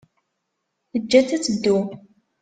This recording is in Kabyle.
Teǧǧa-tt ad teddu.